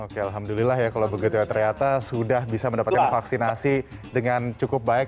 oke alhamdulillah ya kalau begitu ya ternyata sudah bisa mendapatkan vaksinasi dengan cukup baik